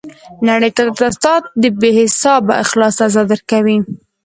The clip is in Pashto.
نړۍ تاته ستا د بې حسابه اخلاص سزا درکوي.